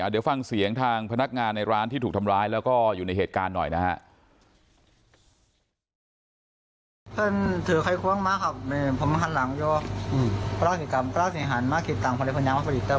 เดี๋ยวฟังเสียงทางพนักงานในร้านที่ถูกทำร้ายแล้วก็อยู่ในเหตุการณ์หน่อยนะฮะ